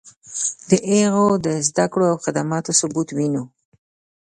د هغوی د زدکړو او خدماتو ثبوت وینو.